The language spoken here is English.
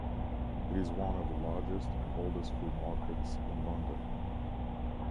It is one of the largest and oldest food markets in London.